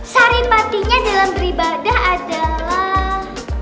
saripatinya dalam ribadah adalah